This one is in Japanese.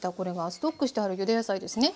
ストックしてあるゆで野菜ですね。